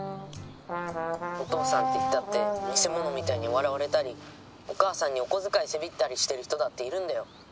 お父さんっていったって見せものみたいにわらわれたりお母さんにおこづかいせびったりしてる人だっているんだよ。